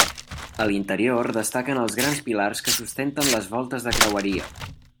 A l'interior destaquen els grans pilars que sustenten les voltes de creueria.